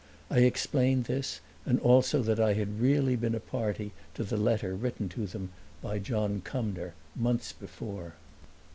I explained this and also that I had really been a party to the letter written to them by John Cumnor months before.